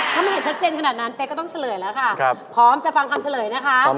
ถ้าไม่เห็นชัดเจนขนาดนั้นเป๊กก็ต้องเฉลยแล้วค่ะพร้อมจะฟังคำเฉลยนะคะ